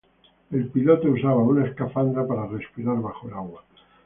El piloto usaba una escafandra para respirar bajo el agua.